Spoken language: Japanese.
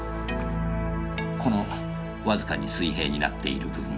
このわずかに水平になっている部分ここです。